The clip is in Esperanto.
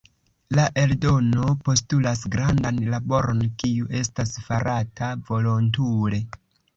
La eldono postulas grandan laboron, kiu estas farata volontule.